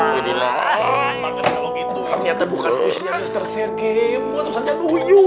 ternyata bukan puisi dari mr sergei bout ustazanuyo